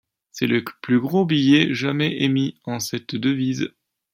C'est le plus gros billet jamais émis en cette devise.